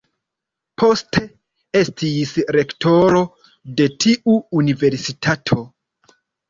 Poste estis rektoro de tiu universitato.